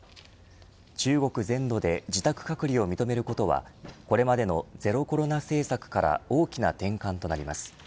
中国全土で自宅隔離を認めることはこれまでのゼロコロナ政策から大きな転換となります。